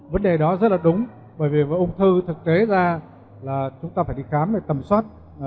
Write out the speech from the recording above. vấn đề đó rất là đúng bởi vì với ung thư thực tế ra là chúng ta phải đi khám về tầm soát